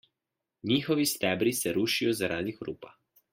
Njihovi stebri se rušijo zaradi hrupa.